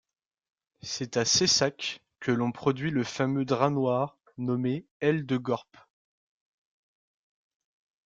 C'est à Saissac que l'on produit le fameux drap noir nommé aile de Gorp.